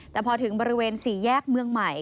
แต่พอถึงบริเวณ๔แยกเมืองใหม่